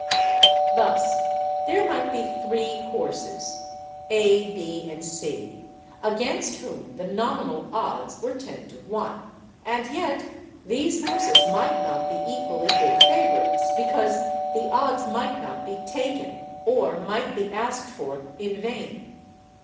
Thus, there might be three horses (A, B, and C) against whom the nominal odds were 10 to 1, and yet these horses might not be equally good favourites, because the odds might not be taken, or might be asked for in vain.